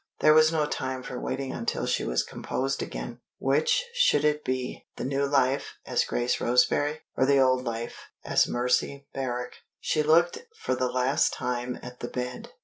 There was no time for waiting until she was composed again. Which should it be the new life, as Grace Roseberry? or the old life, as Mercy Merrick? She looked for the last time at the bed.